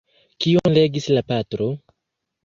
Kion legis la patro?